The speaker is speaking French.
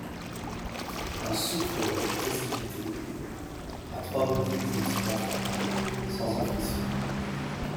Un souffle l'aurait précipité, à trois reprises il se rattrapa, sans un frisson.